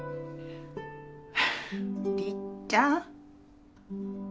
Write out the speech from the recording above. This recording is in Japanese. りっちゃん。